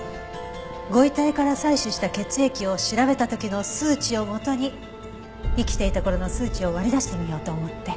ご遺体から採取した血液を調べた時の数値を元に生きていた頃の数値を割り出してみようと思って。